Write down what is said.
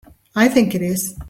I think it is.